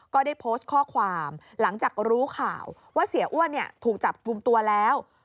ก็ได้โพสต์ข้อความหลังจากรู้ข่าวว่าเสียอ้วนถูกจับกลุ่มตัวแล้ว